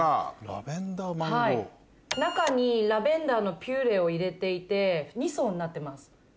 中にラベンダーのピューレを入れていて２層になってます。